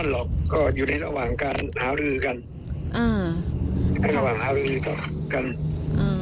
รอบก็อยู่ในระหว่างการหาลือกันอืมในระหว่างหาลือต่อกันอืม